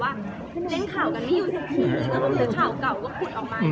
เราหมายถึงตรงนพรแล้วพี่นอกเนี้ยก็วางไว้อยู่แล้วว่ามันจะออกประมาณ